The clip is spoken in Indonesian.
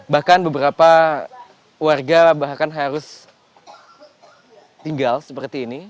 bahkan beberapa warga bahkan harus tinggal seperti ini